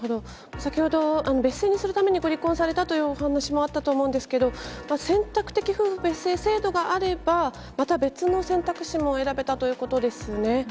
先ほど別姓にするために、ご離婚されたというお話もあったと思うんですけど、選択的夫婦別姓制度があれば、また別の選択肢も選べたということですね。